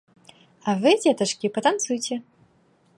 А вы, дзетачкі, патанцуйце.